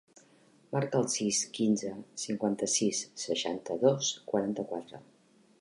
Marca el sis, quinze, cinquanta-sis, seixanta-dos, quaranta-quatre.